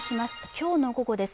今日の午後です。